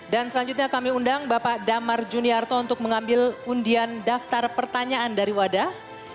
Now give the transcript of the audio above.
dan selanjutnya kami undang bapak damar juniarto untuk mengambil undian daftar pertanyaan dari wadah